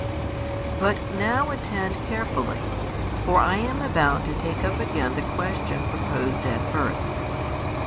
But now attend carefully, for I am about to take up again the question proposed at first.